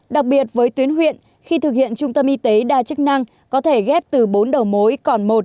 đặc biệt với tuyến huyện khi thực hiện trung tâm y tế đa chức năng có thể ghép từ bốn đầu mối còn một